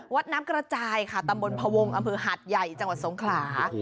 วัดน้ำกระจ่ายตำมลพวงอเมืองหัทห์ใหญ่จังหวัดสงขรา